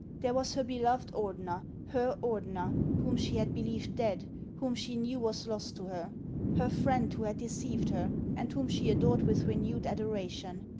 There was her beloved Ordener, — her Ordener, — whom she had believed dead, whom she knew was lost to her ; her friend who had deceived her, and whom she adored with renewed adoration.